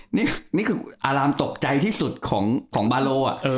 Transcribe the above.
นี่คืออารามตกใจที่สุดของบาโล